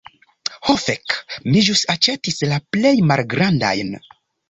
Ho fek, mi ĵus aĉetis la plej malgrandajn.